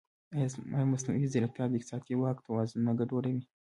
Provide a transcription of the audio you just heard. ایا مصنوعي ځیرکتیا د اقتصادي واک توازن نه ګډوډوي؟